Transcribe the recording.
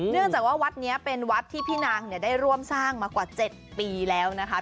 เนื่องจากว่าวัดนี้เป็นวัดที่พี่นางได้ร่วมสร้างมากว่า๗ปีแล้วนะคะ